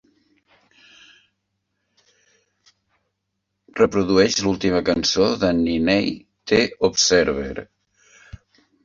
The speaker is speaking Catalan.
reprodueix l'última cançó d'en Niney The Observer